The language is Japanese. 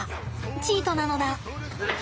チートなのだ。